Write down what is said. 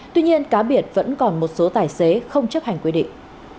tuy nhiên cá biệt vẫn còn một số tài xế không chấp hành quy định